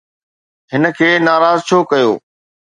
هن کي ناراض ڇو ڪيو؟